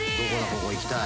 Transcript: ここ行きたい。